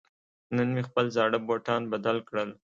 نن مې خپل زاړه بوټان بدل کړل.